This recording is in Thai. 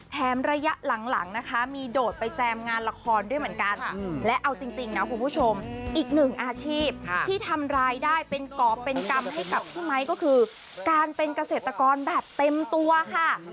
ระยะหลังนะคะมีโดดไปแจมงานละครด้วยเหมือนกันและเอาจริงนะคุณผู้ชมอีกหนึ่งอาชีพที่ทำรายได้เป็นกรอบเป็นกรรมให้กับพี่ไมค์ก็คือการเป็นเกษตรกรแบบเต็มตัวค่ะ